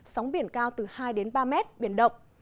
sóng biển cao từ hai đến ba mét biển động